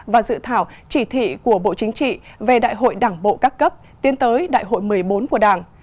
và dự thảo chỉ thị của bộ chính trị về đại hội đảng bộ các cấp tiến tới đại hội một mươi bốn của đảng